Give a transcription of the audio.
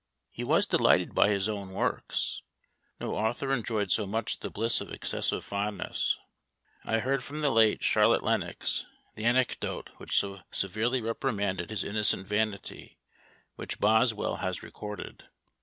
He was delighted by his own works. No author enjoyed so much the bliss of excessive fondness. I heard from the late Charlotte Lenox the anecdote which so severely reprimanded his innocent vanity, which Boswell has recorded.